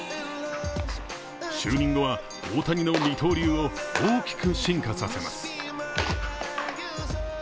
就任後は大谷の二刀流を大きく進化させます。